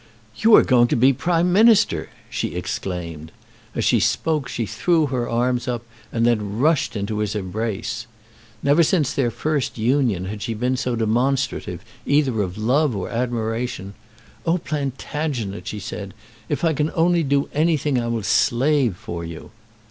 "You are going to be Prime Minister!" she exclaimed. As she spoke she threw her arms up, and then rushed into his embrace. Never since their first union had she been so demonstrative either of love or admiration. "Oh, Plantagenet," she said, "if I can only do anything I will slave for you."